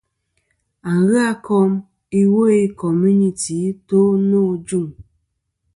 Aghɨ a kom iwo i komunity i to nô ajuŋ.